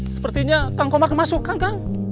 sepertinya kang komar masukkan kang